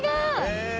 へえ！